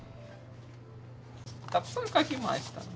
たくさん書きました。